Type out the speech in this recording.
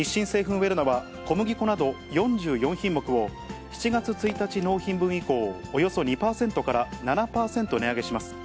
ウェルナは、小麦粉など４４品目を７月１日納品分以降、およそ２％から７％値上げします。